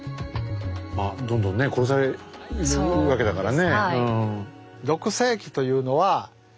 どんどん殺されるわけだからね。